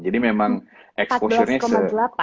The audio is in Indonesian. jadi memang exposure nya